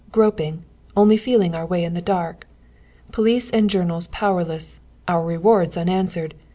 Groping! Only feeling our way in the dark! Police and journals powerless, our rewards unanswered!